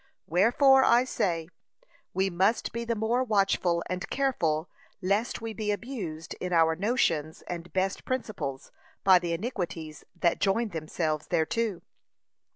Wherefore, I say, we must be the more watchful and careful lest we be abused in our notions and best principles, by the iniquities that join themselves thereto.